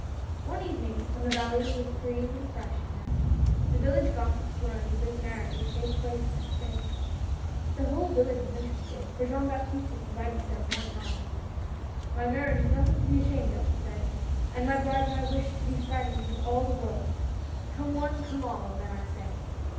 One evening, when the valley was green and fresh again, the village gossips learned that this marriage would take place the next day. The whole village was interested, foi' Jean Baptiste had invited them one and all. " My marriage is nothing to be ashamed of," he said, " and my bride and I wish to be friends with all the world — come one, come all, then, I say."